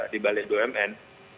di balik bumn